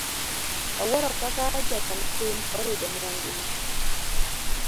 Awuoro kaka jatend piny oridonwa ngima.